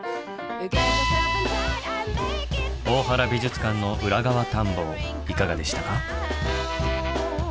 大原美術館の裏側探訪いかがでしたか？